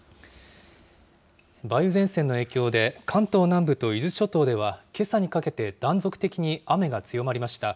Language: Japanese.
梅雨前線の影響で、関東南部と伊豆諸島では、けさにかけて断続的に雨が強まりました。